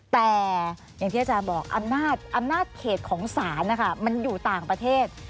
แต่อย่างที่อาจารย์บอกอำนาจเขตของศาลนะคะมันอยู่ต่างประเทศ